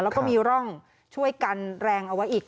แล้วก็มีร่องช่วยกันแรงเอาไว้อีก